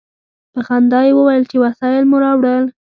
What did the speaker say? په خندا یې وویل چې وسایل مو راوړل.